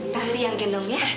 nanti yang gendong ya